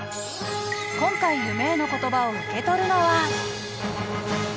今回夢への言葉を受け取るのは。